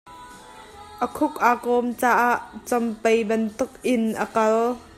A khuk aa khom caah compei bantukin a kal.